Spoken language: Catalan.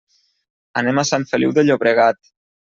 Anem a Sant Feliu de Llobregat.